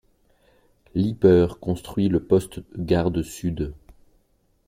Lipper construit le poste de garde sud.